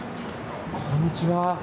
こんにちは。